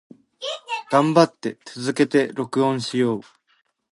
姿が堂々として、立派で、きびきびしているさま。